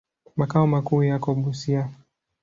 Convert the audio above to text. Makao makuu yako Busia.